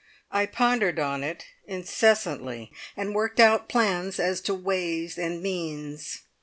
I pondered on it incessantly and worked out plans as to ways and means.